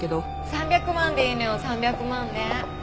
３００万でいいのよ３００万で。